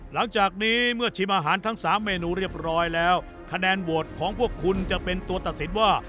หลังจากนี้เมื่อชิมอาหารทั้ง๓เมนูเรียบร้อยแล้วคะแนนโหวตของพวกคุณจะเป็นตัวตัดสินว่า